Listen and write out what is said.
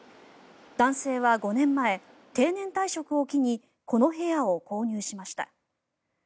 男性は５年前、定年退職を機にこの部屋を購入しました。